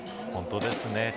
本当ですね。